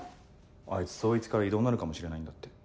あいつ捜一から異動になるかもしれないんだって。